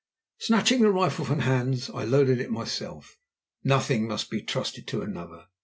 Snatching the rifle from Hans, I loaded it myself; nothing must be trusted to another.